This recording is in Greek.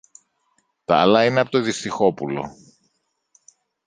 Τ' άλλα είναι από το Δυστυχόπουλο.